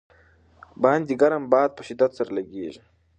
باندې ګرم باد په شدت سره لګېږي.